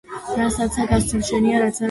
რასაცა გასცემ შენია რაც არა დაკარგულია.